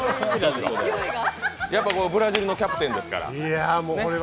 やっぱブラジルのキャプテンですから。